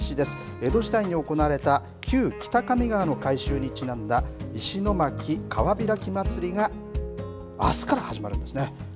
江戸時代に行われた旧北上川の改修にちなんだ石巻川開き祭りがあすから始まるんですね。